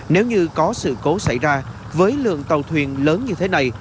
nếu như có sự cố xảy ra với lượng tàu thuyền lớn như thế này